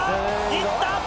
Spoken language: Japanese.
いった！